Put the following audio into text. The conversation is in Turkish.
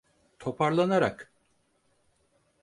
Toparlanarak...